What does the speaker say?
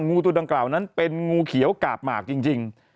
งูตัวดังกล่าวนั้นเป็นงูเขียวกาบหมากจริง